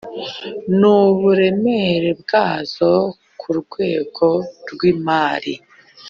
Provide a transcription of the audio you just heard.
n uburemere bwazo ku rwego rw imari